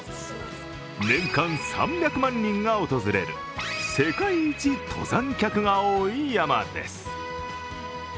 年間３００万人が訪れる世界一登山客が多い山です。